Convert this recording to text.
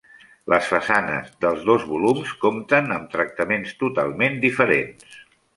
Les façanes dels dos volums compten amb tractaments totalment diferents.